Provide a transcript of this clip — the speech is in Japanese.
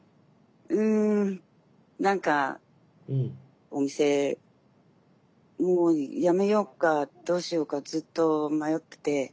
うん何かお店もうやめようかどうしようかずっと迷ってて。